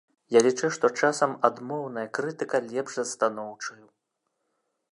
Я лічу, што часам адмоўная крытыка лепш за станоўчую.